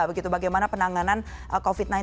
begitu bagaimana penanganan covid sembilan belas